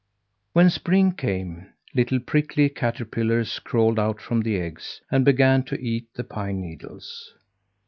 When spring came, little prickly caterpillars crawled out from the eggs and began to eat the pine needles.